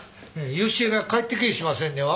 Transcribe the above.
良恵が帰ってきやしませんねや。